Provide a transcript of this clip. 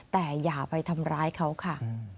แต่อย่าไปทำร้ายเขาค่ะ